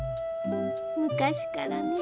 昔からね。